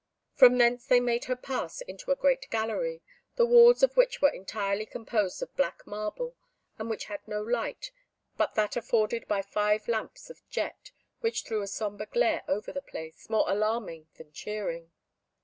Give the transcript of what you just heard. From thence they made her pass into a great gallery, the walls of which were entirely composed of black marble, and which had no light but that afforded by five lamps of jet, which threw a sombre glare over the place, more alarming than cheering.